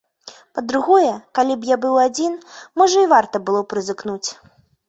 Па-другое, калі б я быў адзін, можа і варта было б рызыкнуць.